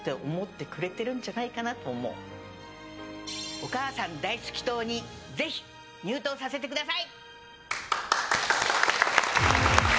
お母さん大好き党にぜひ入党させてください！